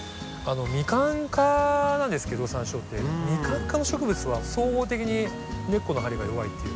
ミカン科なんですけどサンショウってミカン科の植物は総合的に根っこの張りが弱いっていう。